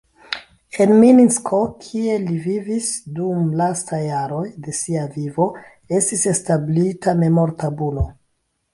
En Minsko, kie li vivis dum lastaj jaroj de sia vivo, estis establita memortabulo.